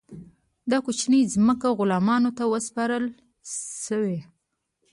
دا کوچنۍ ځمکې غلامانو ته وسپارل شوې.